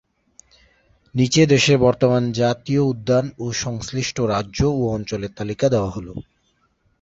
নিচে দেশের বর্তমান জাতীয় উদ্যান ও সংশ্লিষ্ট রাজ্য ও অঞ্চলের তালিকা দেওয়া হল।